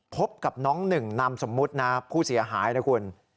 พบกับน้องหนึ่งนามสมมุตินะผู้เสียหายนะคุณ